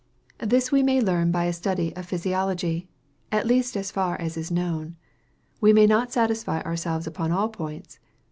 This we may learn by a study of Physiology, at least as far as is known. We may not satisfy ourselves upon all points.